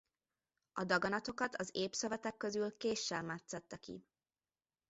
A daganatokat az ép szövetek közül késsel metszette ki.